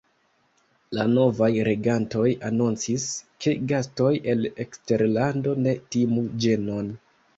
La novaj regantoj anoncis, ke gastoj el eksterlando ne timu ĝenon.